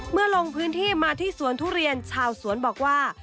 ลงพื้นที่มาที่สวนทุเรียนชาวสวนบอกว่า